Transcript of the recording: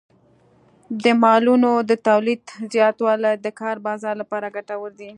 د مالونو د تولید زیاتوالی د کار بازار لپاره ګټور دی.